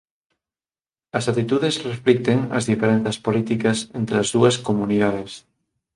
As actitudes reflicten as diferenzas políticas entre as dúas comunidades